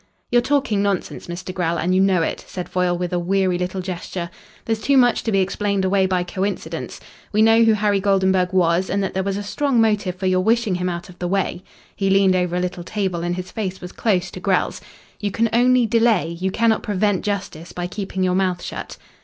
"You're talking nonsense, Mr. Grell, and you know it," said Foyle, with a weary little gesture. "There's too much to be explained away by coincidence. We know who Harry Goldenburg was, and that there was a strong motive for your wishing him out of the way." He leaned over a little table and his face was close to Grell's. "You can only delay, you cannot prevent justice by keeping your mouth shut."